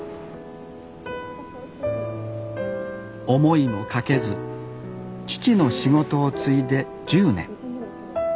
思いもかけず父の仕事を継いで１０年。